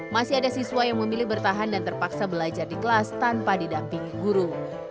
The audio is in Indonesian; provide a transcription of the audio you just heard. masih ada siswa yang memilih bertahan dan terpaksa belajar di kelas tanpa didampingi guru